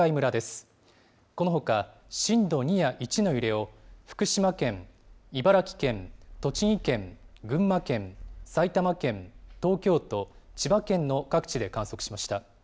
このほか、震度２や１の揺れを、福島県、茨城県、栃木県、群馬県、埼玉県、東京都、千葉県の各地で観測しました。